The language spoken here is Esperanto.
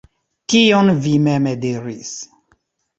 Tion vi mem diris.